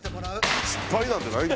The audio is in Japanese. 失敗なんてない。